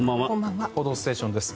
「報道ステーション」です。